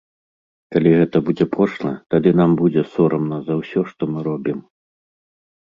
Калі гэта будзе пошла, тады нам будзе сорамна за ўсё, што мы робім.